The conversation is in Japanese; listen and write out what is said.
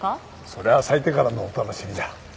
それは咲いてからのお楽しみだ。